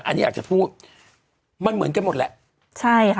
อันนี้อยากจะพูดมันเหมือนกันหมดแหละใช่ค่ะ